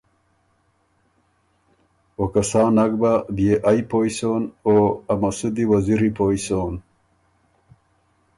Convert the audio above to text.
او که سا نک بَۀ بيې ائ پویٛ سون او مسُود وزیری پویٛ سون۔